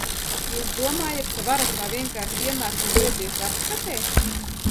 Jūs domājat, ka varat tā vienkārši ienākt un doties apskatē?